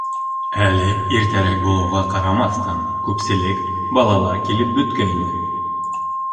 Әле иртәрәк булыуға ҡарамаҫтан, күпселек балалар килеп бөткәйне.